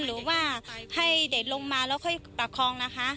หรือว่าให้เด็กลงมาแล้วค่อยประคองนะคะ